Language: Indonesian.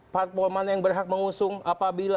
parpol mana yang berhak mengusung apabila